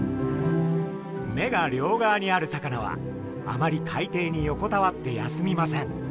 目が両側にある魚はあまり海底に横たわって休みません。